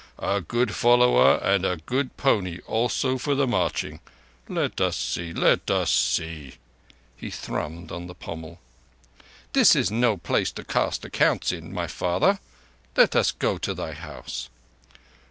A good follower and a good pony also for the marching. Let us see—let us see." He thrummed on the pommel. "This is no place to cast accounts in, my father. Let us go to thy house."